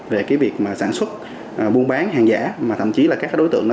về cái việc mà sản xuất buôn bán hàng giả mà thậm chí là các đối tượng